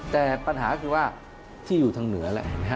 แต่ปัญหาคือว่าที่อยู่ทางเหนือแหละ